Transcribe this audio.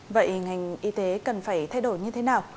vậy ngành y tế cần phải thay đổi như thế nào